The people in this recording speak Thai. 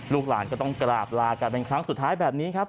ลูกหลานก็ต้องกราบลากันเป็นครั้งสุดท้ายแบบนี้ครับ